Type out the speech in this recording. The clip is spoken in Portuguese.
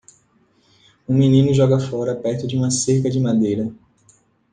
Um menino joga fora perto de uma cerca de madeira.